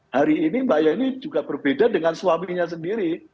hari ini mbak yeni juga berbeda dengan suaminya sendiri